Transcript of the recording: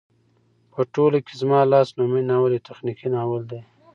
په ټوله کې زما لاس نومی ناول يو تخنيکي ناول دى